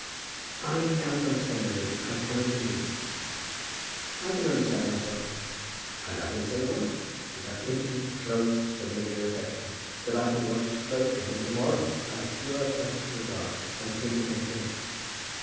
"I cannot understand you, Lily; I can't indeed." "I can understand myself. I love him so well, with that intimate, close, familiar affection, that I could wash his clothes for him to morrow, out of pure personal regard, and think it no shame.